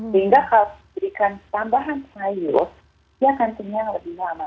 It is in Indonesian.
sehingga kalau diberikan tambahan sayur dia akan kenyang lebih lama